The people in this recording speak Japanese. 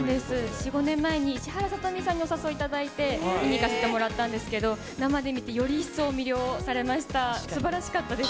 ４、５年前に石原さとみさんにお誘いいただいて、見に行かせてもらったんですけど、生で見て、すばらしかったです。